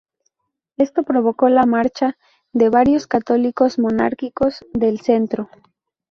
Esto provocó la marcha de varios católicos monárquicos del centro.